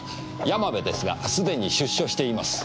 山部ですがすでに出所しています。